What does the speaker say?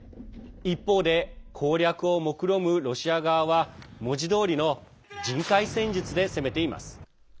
一方で攻略をもくろむロシア側は文字どおりの人海戦術で攻めています。